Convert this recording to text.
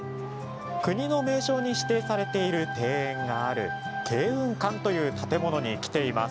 国の名勝に指定にされている庭園がある慶雲館という建物に来ています。